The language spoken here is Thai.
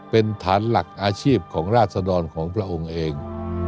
เป็นฐานหลักอาชีพของราศดรของพระองค์เอง